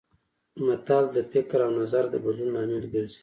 متل د فکر او نظر د بدلون لامل ګرځي